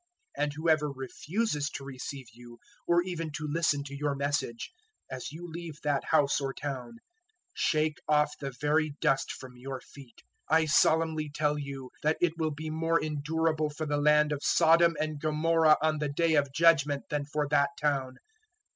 010:014 And whoever refuses to receive you or even to listen to your Message, as you leave that house or town, shake off the very dust from your feet. 010:015 I solemnly tell you that it will be more endurable for the land of Sodom and Gomorrah on the day of Judgement than for that town.